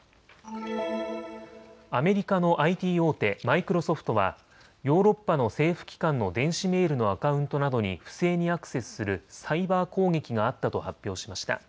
アメリカのＩＴ大手、マイクロソフトはヨーロッパの政府機関の電子メールのアカウントなどに不正にアクセスするサイバー攻撃があったと発表しました。